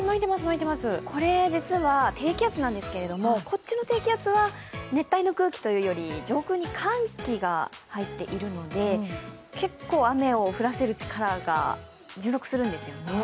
これ実は低気圧なんですけれども、こっちの低気圧は熱帯の空気というより上空に寒気が入っているので結構、雨を降らせる力が持続するんですよね。